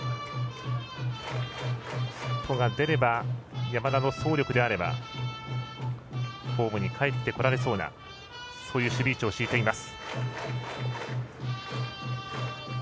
ヒットが出れば山田の走力であればホームにかえってこられそうなそういう守備位置を敷いています。